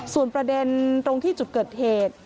ส่วนประเด็นตรงที่จุดเกิดเหตุ